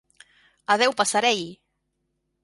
Adéu, passerell!